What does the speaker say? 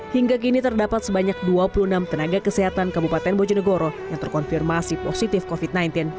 hingga kini terdapat sebanyak dua puluh enam tenaga kesehatan kabupaten bojonegoro yang terkonfirmasi positif covid sembilan belas